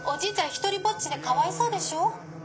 ひとりぼっちでかわいそうでしょ」。